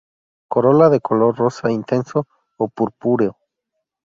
Corola de color rosa intenso o purpúreo.